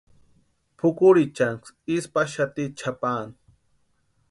Pʼukurhiichanksï isï paxati chʼapaani.